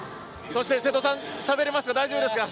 瀬戸さん、しゃべれますか、大丈夫ですか。